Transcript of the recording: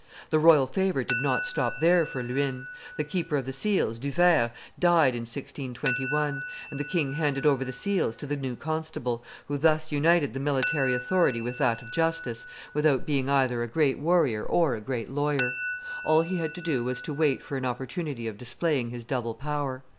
The royal favor did not stop there for Luynes; the keeper of the seals, Du Vair, died in 1621; and the king handed over the seals to the new constable, who thus united the military authority with that of justice, without being either a great warrior or a great lawyer. All he had to do was to wait for an opportunity of displaying his double power.